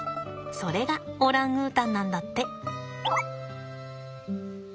それがオランウータンなんだって。